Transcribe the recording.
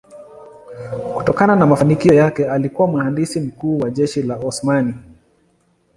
Kutokana na mafanikio yake alikuwa mhandisi mkuu wa jeshi la Osmani.